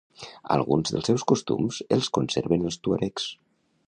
Alguns dels seus costums els conserven els tuaregs.